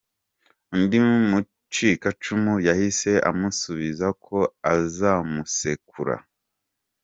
Undi mucikacumu yahise amusubiza ko azamusekura!